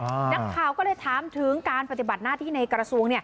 นักข่าวก็เลยถามถึงการปฏิบัติหน้าที่ในกระทรวง